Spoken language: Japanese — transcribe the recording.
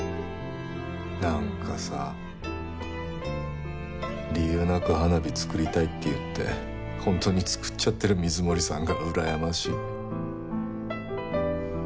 なんかさ理由なく花火作りたいって言って本当に作っちゃってる水森さんがうらやましい。